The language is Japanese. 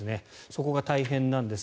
そこが大変なんです。